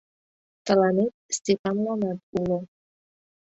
Тыланет, Степанланат уло...